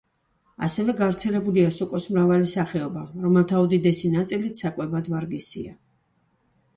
ასევე გავრცელებულია სოკოს მრავალი სახეობა, რომელთა უდიდესი ნაწილიც საკვებად ვარგისია.